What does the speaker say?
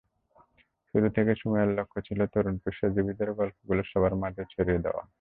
শুরু থেকেই সুমাইয়ার লক্ষ্য ছিল তরুণ পেশাজীবীদের গল্পগুলো সবার মাঝে ছড়িয়ে দেওয়া।